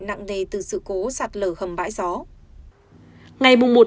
nặng nề từ sự cố sạt lở hầm bãi gió